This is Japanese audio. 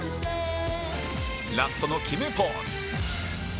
ラストの決めポーズ